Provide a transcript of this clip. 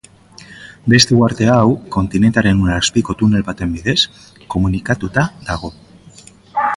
Beste uharte hau kontinentearen ur-azpiko tunel baten bidez komunikatuta dago.